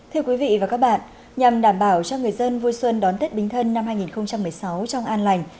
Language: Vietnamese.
thưa quý vị và các bạn nhằm đảm bảo cho người dân vui xuân đón tết bính thân năm hai nghìn một mươi sáu trong an lành